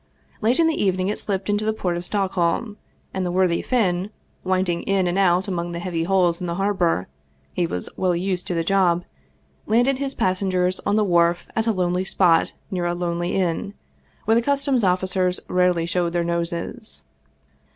Late in the evening it slipped into the port of Stockholm, and the worthy Finn, winding in and out among the heavy hulls in the harbor he was well used to the job landed his passengers on the wharf at a lonely spot near a lonely inn, where the customs officers rarely showed their noses.